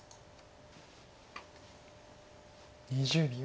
２０秒。